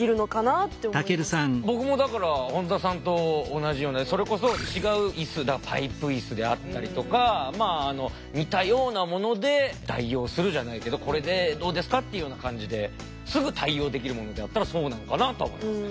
僕もだから本田さんと同じようなそれこそ違ういすパイプいすであったりとか似たようなもので代用するじゃないけど「これでどうですか？」っていうような感じですぐ対応できるものだったらそうなのかなとは思いますね。